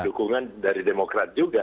dukungan dari demokrat juga